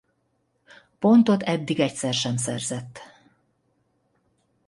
Pontot eddig egyszer sem szerzett.